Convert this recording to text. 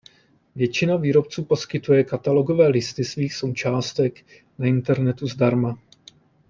Většina výrobců poskytuje katalogové listy svých součástek na internetu zdarma.